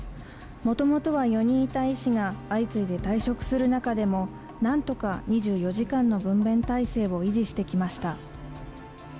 もともとは４人いた医師が相次いで退職する中でも、なんとか２４時間の分べん体制を維持してきました。